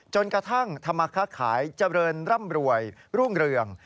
จนกระทั่งธรรมค้าขายเจริญร่ำรวยรุ่งเรือง